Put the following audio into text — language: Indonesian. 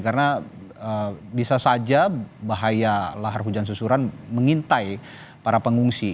karena bisa saja bahaya lahar hujan susuran mengintai para pengungsi